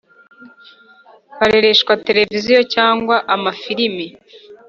Barereshwa tereviziyo cyangwa amafirimi.